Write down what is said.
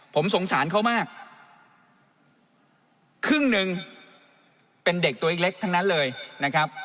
ผมสงสารเขามากครึ่งหนึ่งเป็นเด็กตัวเล็กทั้งนั้นเลยนะครับ